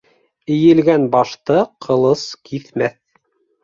Эйелгән башты ҡылыс киҫмәҫ.